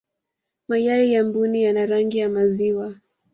mayai ya mbuni yana rangi ya maziwa